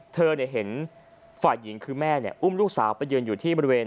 เธอเห็นฝ่ายหญิงคือแม่อุ้มลูกสาวไปยืนอยู่ที่บริเวณ